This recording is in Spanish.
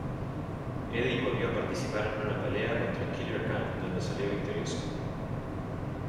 Eddie volvió a participar en una pelea contra Killer Khan donde salió victorioso.